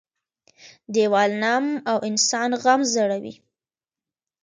- دیوال نم او انسان غم زړوي.